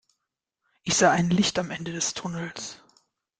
Ich sah ein Licht am Ende des Tunnels.